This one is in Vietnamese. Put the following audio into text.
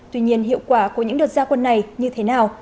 tuy nhiên hiệu quả của những đợt gia quân này như thế nào